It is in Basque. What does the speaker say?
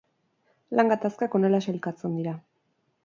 Lan gatazkak honela sailkatzen dira.